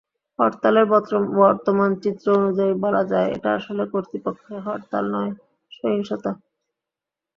হরতালের বর্তমান চিত্র অনুযায়ী বলা যায়, এটা আসলে প্রকৃতপক্ষে হরতাল নয়, সহিংসতা।